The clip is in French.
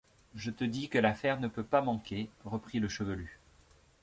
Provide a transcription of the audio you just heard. Je te dis que l’affaire ne peut pas manquer, reprit le chevelu.